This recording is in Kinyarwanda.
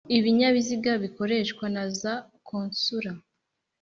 Ibinyabiziga bikoreshwa na za konsula